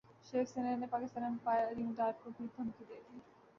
شیو سینا نے پاکستان امپائر علیم ڈار کو بھی دھمکی دے دی